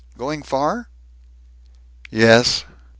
"Going far?" "Yes."